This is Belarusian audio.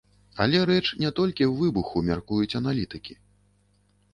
Але рэч не толькі ў выбуху, мяркуюць аналітыкі.